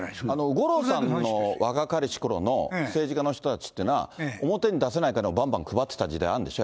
五郎さんの若かりしころの政治家の人たちっていうのは表に出せない金をばんばん配ってた時代があるんでしょ？